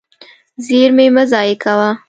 زیرمې مه ضایع کوه.